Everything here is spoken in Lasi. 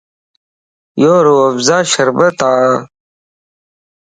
يو روح افزاء شربت ا